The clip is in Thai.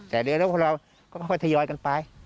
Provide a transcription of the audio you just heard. แต่เดี๋ยวเราค่อยทยอยกันไป